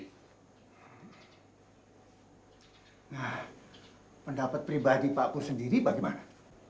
nah pendapat pribadi pakku sendiri bagaimana